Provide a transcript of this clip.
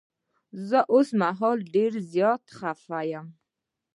زه اوس مهال ډير زيات خفه یم.